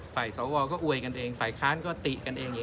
สวก็อวยกันเองฝ่ายค้านก็ติกันเอง